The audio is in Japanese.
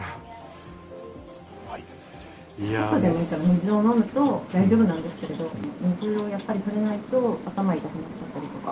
ちょこっとでもいいから、水を飲むと大丈夫なんですけれども、水をやっぱりとれないと、頭痛くなっちゃったりとか。